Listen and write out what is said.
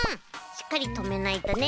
しっかりとめないとね。